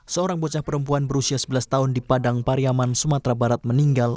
seorang bocah perempuan berusia sebelas tahun di padang pariaman sumatera barat meninggal